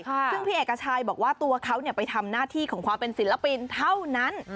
ซึ่งพี่เอกชัยบอกว่าตัวเขาไปทำหน้าที่ของความเป็นศิลปินเท่านั้น